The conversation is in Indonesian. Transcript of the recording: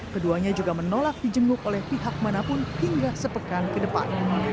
keduanya juga menolak dijenguk oleh pihak manapun hingga sepekan ke depan